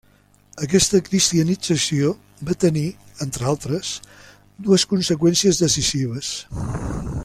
Aquesta cristianització va tenir, entre altres, dues conseqüències decisives.